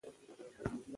چې یو بند یې دا دی: